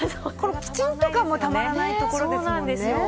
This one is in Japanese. このきちんと感もたまらないところですもんね。